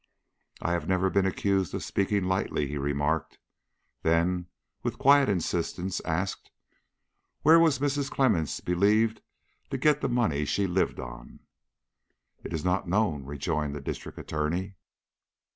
"I have never been accused of speaking lightly," he remarked. Then, with quiet insistence, asked: "Where was Mrs. Clemmens believed to get the money she lived on?" "It is not known," rejoined the District Attorney.